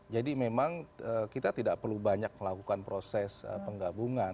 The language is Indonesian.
memang kita tidak perlu banyak melakukan proses penggabungan